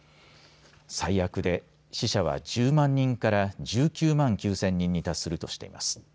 最悪で死者は１０万人から１９万９０００人に達するとしています。